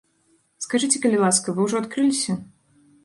Скажыце, калі ласка, вы ўжо адкрыліся?